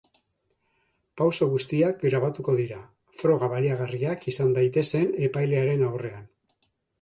Pauso guztiak grabatuko dira, froga baliagarriak izan daitezen epailearen aurrean.